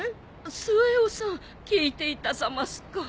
末男さん聞いていたざますか。